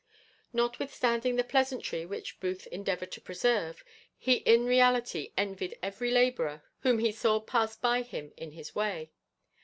Notwithstanding the pleasantry which Booth endeavoured to preserve, he in reality envied every labourer whom he saw pass by him in his way.